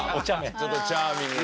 ちょっとチャーミングな。